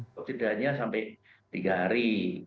kok tidaknya sampai tiga hari